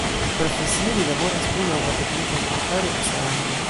Profesie li laboras pri nova teknika vortaro rusa-angla.